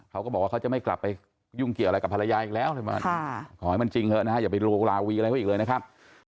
เขาก็บอกว่าเขาจะไม่กลับไปยุ่งเกี่ยวอะไรกับภรรยาอีกแล้วขอให้มันจริงเถอะนะอย่าไปโรคลาวีอะไรอีกเลยนะครับ